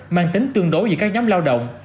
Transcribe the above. mang tính tương đối với các nhóm lao động